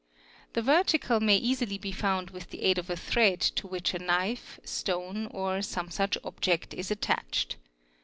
The vertical may easily be found with the aid of a thread to which a knife, 'stone, or some such object is attached.